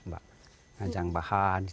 banyak ajang bahan